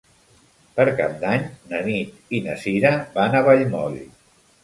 Per Cap d'Any na Nit i na Cira van a Vallmoll.